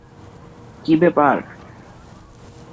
কী ব্যাপার?